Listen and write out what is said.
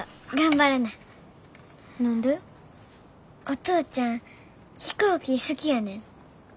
お父ちゃん飛行機好きやねん。